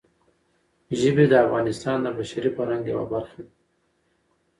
ژبې د افغانستان د بشري فرهنګ یوه برخه ده.